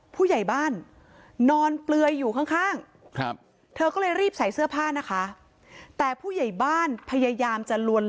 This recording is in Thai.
ผู้ใหญ่บ้านนอนเปลือยอยู่ข้างเธอก็เลยรีบใส่เสื้อผ้านะคะแต่ผู้ใหญ่บ้านพยายามจะลวน